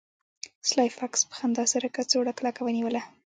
سلای فاکس په خندا سره کڅوړه کلکه ونیوله